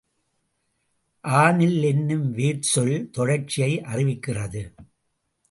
ஆநில் என்னும் வேர்ச்சொல் தொடர்ச்சியை அறிவிக்கிறது.